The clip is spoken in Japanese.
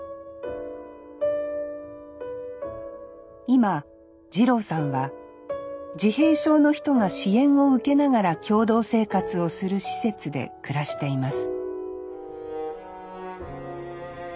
今二郎さんは自閉症の人が支援を受けながら共同生活をする施設で暮らしています